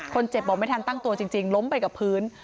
บอกไม่ทันตั้งตัวจริงล้มไปกับพื้น